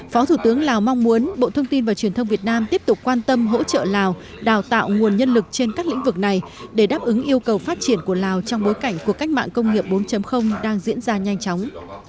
phó thủ tướng lào mong muốn bộ thông tin và truyền thông việt nam tiếp tục quan tâm hỗ trợ lào đào tạo nguồn nhân lực trên các lĩnh vực này để đáp ứng yêu cầu phát triển của lào trong bối cảnh cuộc cách mạng công nghiệp bốn đang diễn ra nhanh chóng